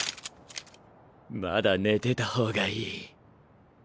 まだ寝てたほうがいい。